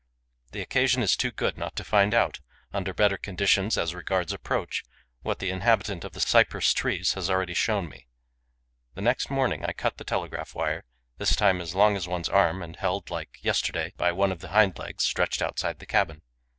The occasion is too good not to find out, under better conditions as regards approach, what the inhabitant of the cypress trees has already shown me. The next morning, I cut the telegraph wire, this time as long as one's arm and held, like yesterday, by one of the hind legs stretched outside the cabin.